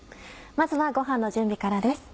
まずはご飯の準備からです。